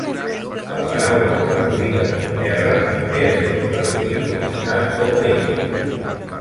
La paraula traduïda com "terra" també es pot traduir com estat o país.